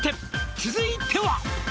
「続いては」